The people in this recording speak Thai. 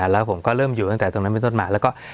แล้วผมก็เริ่มอยู่ตรงนั้นนะคะ